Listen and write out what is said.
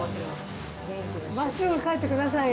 まっすぐ帰ってくださいよ。